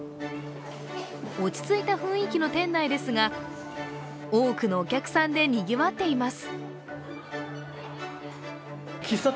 落ち着いた雰囲気の店内ですが多くのお客さんでにぎわっています。